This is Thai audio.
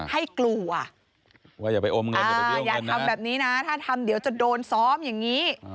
ให้กลัวว่าอย่าไปอมเงินอย่าทำแบบนี้นะถ้าทำเดี๋ยวจะโดนซ้อมอย่างนี้